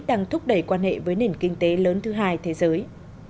đang thúc đẩy quan hệ với nền kinh tế lớn thứ hai thế giới